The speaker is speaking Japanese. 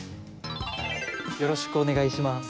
よろしくお願いします。